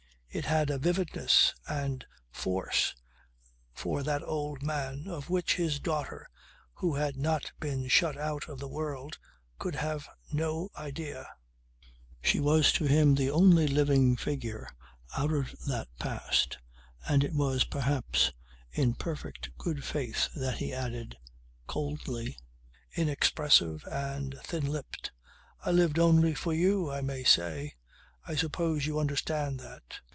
It had a vividness and force for that old man of which his daughter who had not been shut out of the world could have no idea. She was to him the only living figure out of that past, and it was perhaps in perfect good faith that he added, coldly, inexpressive and thin lipped: "I lived only for you, I may say. I suppose you understand that.